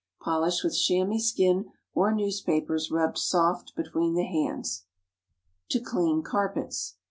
Polish with chamois skin, or newspapers rubbed soft between the hands. TO CLEAN CARPETS.